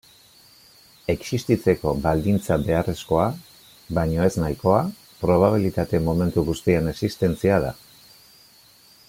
Existitzeko baldintza beharrezkoa, baino ez nahikoa, probabilitate-momentu guztien existentzia da.